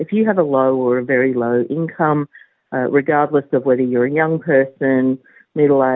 jika anda memiliki pendapatan rendah atau rendah